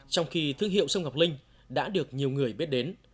trong khi thương hiệu sông ngọc linh đã được nhiều người biết đến